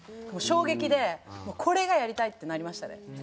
もう衝撃でこれがやりたいってなりましたね。